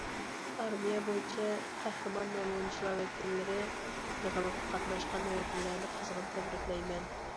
ئارمىيە بويىچە قەھرىمان نەمۇنىچىلار ۋەكىللىرى يىغىنىغا قاتناشقان ۋەكىللەرنى قىزغىن تەبرىكلەيمەن!